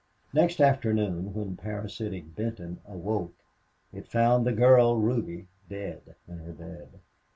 Next afternoon, when parasitic Benton awoke, it found the girl Ruby dead in her bed.